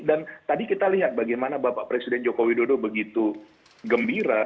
dan tadi kita lihat bagaimana bapak presiden joko widodo begitu gembira